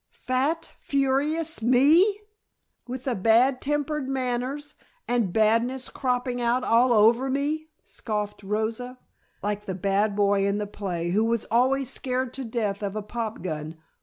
Fat, furious me! With the bad tempered manners, and badness cropping out all over me!" scoffed Rosa. "Like the bad boy in the play who was always scared to death of a pop gun.